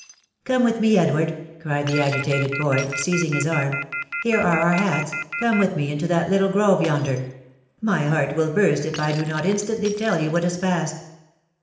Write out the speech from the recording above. " Come with me, Edward !" cried the agitated boy, seizing his arm ;" here are our hats — come with me into that little grove yonder — my heart will burst if I do not instantly tell you what has passed."